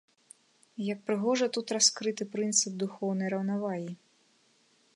І як прыгожа тут раскрыты прынцып духоўнай раўнавагі!